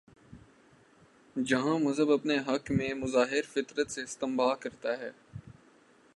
جہاں مذہب اپنے حق میں مظاہر فطرت سے استنباط کر تا ہے۔